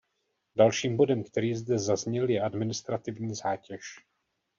Dalším bodem, který zde zazněl, je administrativní zátěž.